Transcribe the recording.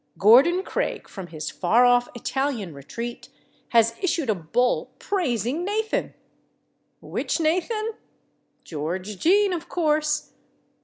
Gordon Craig, from his far off Italian retreat, has issued a bull praising Nathan! Which Nathan? George Jean, of course.